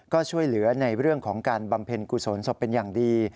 ก็ช่วยเหลือในเรื่องของการบำเพ็ญกุศลศพเป็นอย่างดี